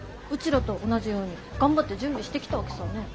らと同じように頑張って準備してきたわけさぁねぇ。